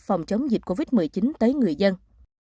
phòng chống dịch covid một mươi chín tới người dân